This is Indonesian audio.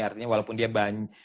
artinya walaupun dia banyak